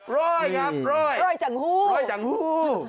รอยครับรอยรอยจังหู้